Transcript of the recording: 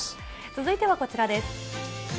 続いてはこちらです。